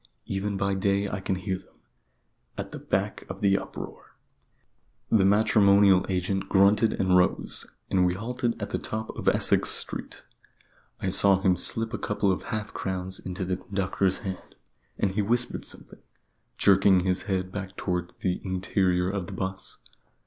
Even by day I can hear them, at the back of the uproar " The matrimonial agent grunted and rose, as we halted at the top of Essex Street. I saw him slip a couple of half crowns into the conductor's hand: and he whispered something, jerking his head back towards the interior of the 'bus.